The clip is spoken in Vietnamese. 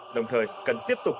đồng thời cần tiếp tục